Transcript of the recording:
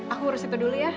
aku urus itu dulu ya